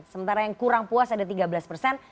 sementara yang kurang puas ada tiga belas persen